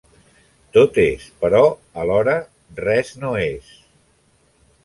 Tot és, però, alhora, res no és.